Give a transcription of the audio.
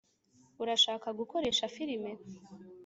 urashaka gukodesha firime?